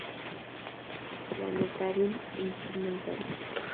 Planetarium: Instrumental